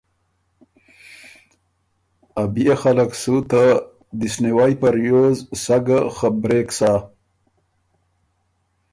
ا بيې خلق سُو ته دِست نیوئ په ریوز سَۀ ګه خبرېک سَۀ۔